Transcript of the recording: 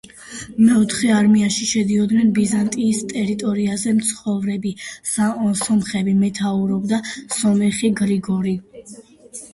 მეოთხე არმიაში შედიოდნენ ბიზანტიის ტერიტორიაზე მცხოვრები სომხები, მეთაურობდა სომეხი გრიგორი.